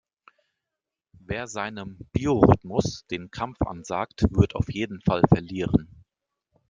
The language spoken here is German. Wer seinem Biorhythmus den Kampf ansagt, wird auf jeden Fall verlieren.